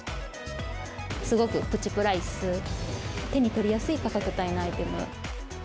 すごくプチプライス、手に取りやすい価格帯のアイテム。